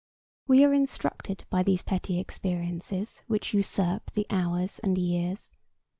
We are instructed by these petty experiences which usurp the hours and years.